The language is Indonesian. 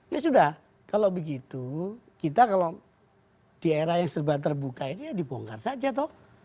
ya sudah kalau begitu kita kalau di era yang serba terbuka ini ya dibongkar saja toh